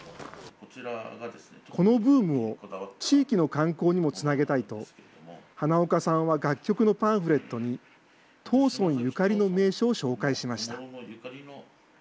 このブームを地域の観光にもつなげたいと、花岡さんは楽曲のパンフレットに藤村ゆかりの名所を紹介しました。